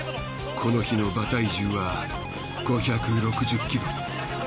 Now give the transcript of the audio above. この日の馬体重は５６０キロ。